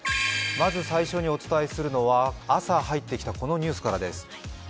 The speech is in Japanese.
まず最初にお伝えするのは、朝入ってきたこのニュースからです。